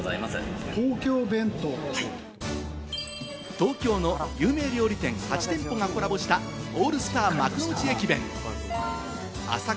東京の有名料理店８店舗がコラボしたオールスター幕の内駅弁。